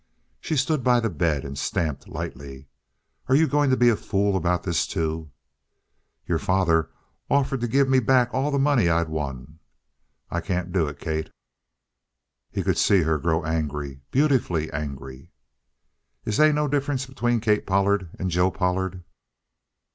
She stood by the bed and stamped lightly. "Are you going to be a fool about this, too?" "Your father offered to give me back all the money I'd won. I can't do it, Kate." He could see her grow angry, beautifully angry. "Is they no difference between Kate Pollard and Joe Pollard?"